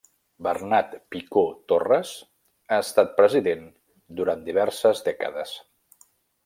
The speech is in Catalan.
Bernat Picó Torres ha estat president durant diverses dècades.